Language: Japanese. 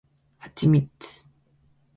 蜜柑